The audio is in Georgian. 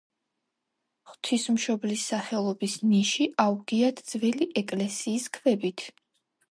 ღვთისმშობლის სახელობის ნიში აუგიათ ძველი ეკლესიის ქვებით.